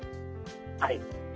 はい。